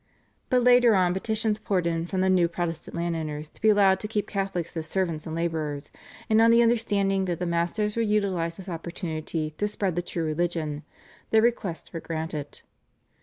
But later on petitions poured in from the new Protestant landowners to be allowed to keep Catholics as servants and labourers, and on the understanding that the masters would utilise this opportunity to spread the true religion, their requests were granted.